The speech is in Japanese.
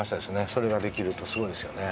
それができるとすぐですよね。